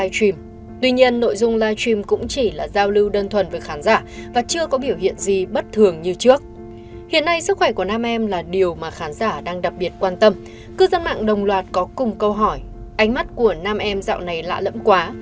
cô còn hỏi ánh mắt của nam em dạo này lạ lẫm quá